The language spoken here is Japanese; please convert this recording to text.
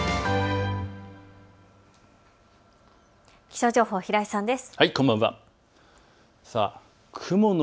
気象情報、平井さんです。